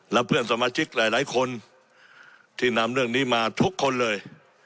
และเพื่อนสมาชิกหลายคนที่นำเรื่องนี้มาทุกคนเลย